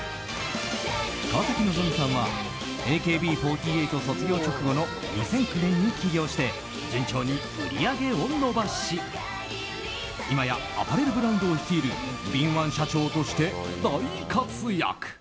川崎希さんはＡＫＢ４８卒業直後の２００９年に起業して順調に売り上げを伸ばし今やアパレルブランドを率いる敏腕社長として大活躍。